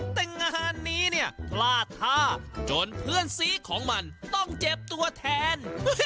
แต่งานนี้เนี่ยพลาดท่าจนเพื่อนซีของมันต้องเจ็บตัวแทน